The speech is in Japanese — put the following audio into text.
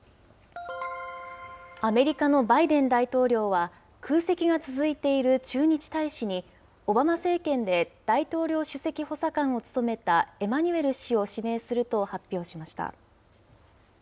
アメリカのバイデン大統領は、空席が続いている駐日大使に、オバマ政権で大統領首席補佐官を務めたエマニュエル氏を指名すると発表しました。